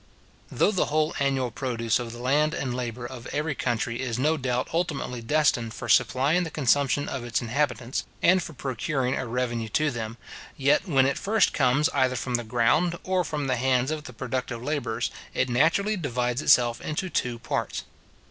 Though the whole annual produce of the land and labour of every country is no doubt ultimately destined for supplying the consumption of its inhabitants, and for procuring a revenue to them; yet when it first comes either from the ground, or from the hands of the productive labourers, it naturally divides itself into two parts.